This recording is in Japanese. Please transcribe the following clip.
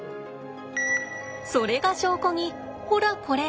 それが証拠にほらこれ。